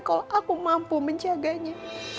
kalau aku mampu menjaganya